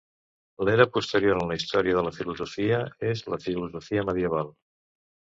L'era posterior en la història de la filosofia és la filosofia medieval.